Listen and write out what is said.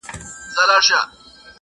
چي قاضي وي چي دا گيند او دا ميدان وي.!